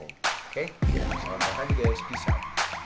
oke salam olahraga guys peace out